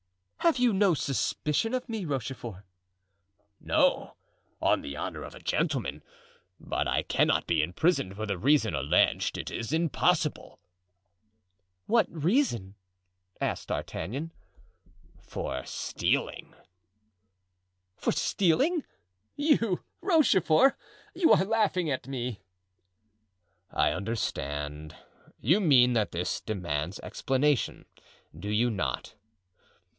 "Have you any suspicion of me, Rochefort?" "No! on the honor of a gentleman; but I cannot be imprisoned for the reason alleged; it is impossible." "What reason?" asked D'Artagnan. "For stealing." "For stealing! you, Rochefort! you are laughing at me." "I understand. You mean that this demands explanation, do you not?"